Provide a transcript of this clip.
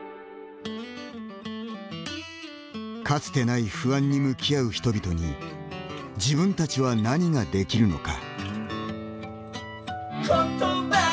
かつてない不安に向き合う人々に自分たちは何ができるのか。